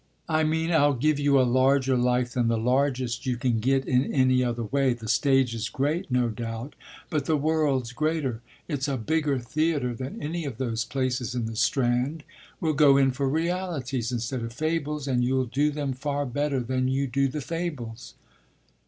"I mean I'll give you a larger life than the largest you can get in any other way. The stage is great, no doubt, but the world's greater. It's a bigger theatre than any of those places in the Strand. We'll go in for realities instead of fables, and you'll do them far better than you do the fables."